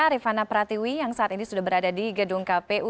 rifana pratiwi yang saat ini sudah berada di gedung kpu